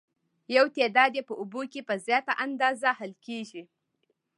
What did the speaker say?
یو تعداد یې په اوبو کې په زیاته اندازه حل کیږي.